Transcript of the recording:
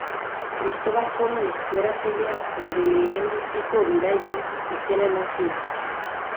Kristobal Kolon esploratzaileak bere lehenbiziko bidaian izen eman zion.